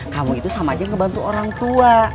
kamu itu sama aja ngebantu orang tua